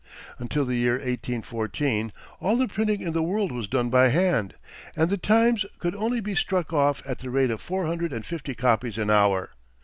Until the year 1814, all the printing in the world was done by hand, and "The Times" could only be struck off at the rate of four hundred and fifty copies an hour.